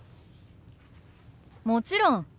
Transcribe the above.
もちろん。